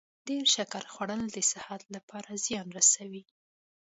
ډیر شکر خوړل د صحت لپاره زیان رسوي.